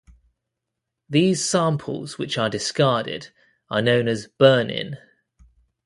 These samples, which are discarded, are known as "burn-in".